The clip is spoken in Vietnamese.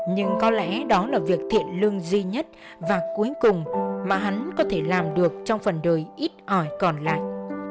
nhưng có lẽ đó là việc thiện lương duy nhất và cuối cùng mà hắn có thể làm được trong phần đời ít ỏi còn lại